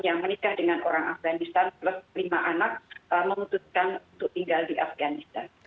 yang menikah dengan orang afganistan plus lima anak memutuskan untuk tinggal di afganistan